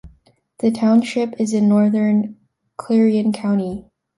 The township is in northern Clarion County.